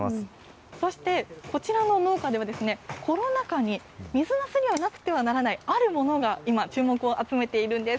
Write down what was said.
そしてこちらの農家では、コロナ禍に、水なすにはなくてはならないあるものが今、注目を集めているんです。